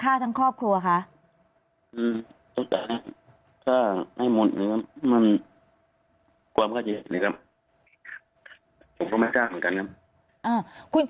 คุณประทีบขอแสดงความเสียใจด้วยนะคะ